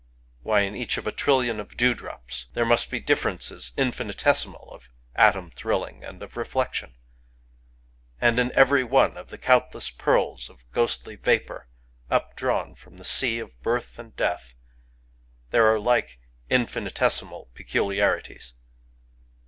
Why, in each of a trillion of dewdrops Digitized by Googk 176 A DROP OF DEW there must be differences infinitesimal of atom thrilling and of reflection. And in every one of the countlessjpearls of ghostly vaj)our updrawn from the S^a of Birth and Deatk there are like infinitesi mal peculiarities.